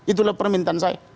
itulah permintaan saya